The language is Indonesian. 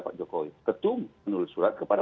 pak jokowi ketum menurut surat kepada